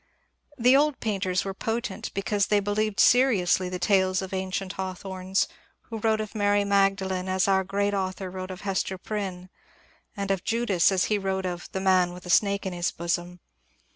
The old painters were potent because they believed seriously the tales of ancient Hawthornes, who wrote of Mary Magdalene as our great author wrote of Hester Prynne, and of Judas as he wrote of ^^ the man with a snake in his bosom."